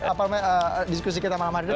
apa diskusi kita malam hari ini